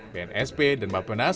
bnsp dan bapenas